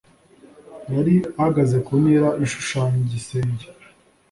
yari ahagaze ku ntera ishushanya igisenge